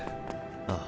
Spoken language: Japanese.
ああ。